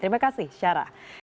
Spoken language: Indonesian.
terima kasih sarah